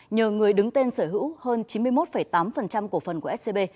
nhờ người đứng tên sở hữu hơn chín mươi một tám cổ phần của scb